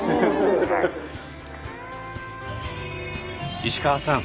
石川さん